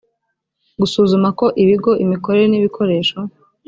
gusuzuma ko ibigo imikorere n ibikoresho